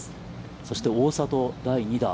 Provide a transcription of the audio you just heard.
そして、大里、第２打。